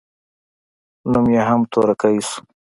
نوم يې هم تورکى سو.